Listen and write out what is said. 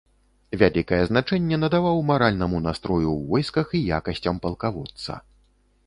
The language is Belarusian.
Вялікае значэнне надаваў маральнаму настрою ў войсках і якасцям палкаводца.